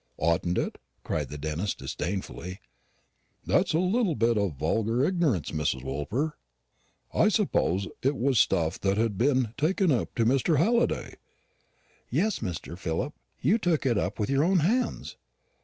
"Oughtn't it?" cried the dentist disdainfully. "That's a little bit of vulgar ignorance, Mrs. Woolper. I suppose it was stuff that had been taken up to Mr. Halliday." "Yes, Mr. Philip; you took it up with your own hands."